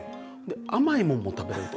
甘いもんも食べれると。